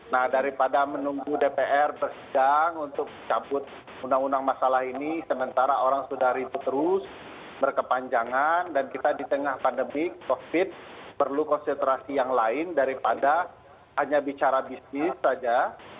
nah daripada menunggu dpr bersidang untuk cabut undang undang masalah ini sementara orang sudah ribut terus berkepanjangan dan kita di tengah pandemi covid perlu konsentrasi yang lain daripada hanya bicara bisnis saja